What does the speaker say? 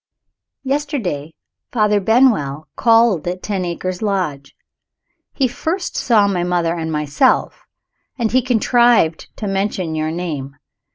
Yesterday, Father Benwell called at Ten Acres Lodge. He first saw my mother and myself and he contrived to mention your name.